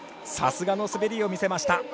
さすがの滑りを見せました。